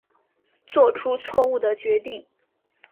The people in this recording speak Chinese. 做出错误的决定